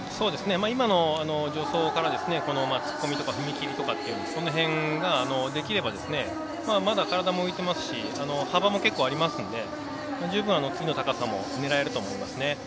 今の助走から踏み切りとか、その辺ができればまだ体も浮いてますし幅もありますので十分次の高さも狙えると思いますね。